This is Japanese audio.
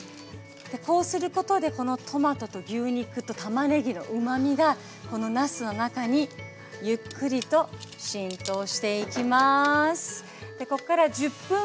こうすることでこのトマトと牛肉とたまねぎのうまみがこのなすの中にゆっくりと浸透していきます。